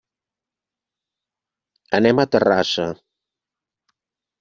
Anem a Terrassa.